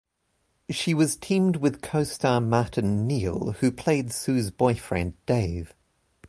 She was teamed with co-star Martin Neil, who played Sue's boyfriend Dave.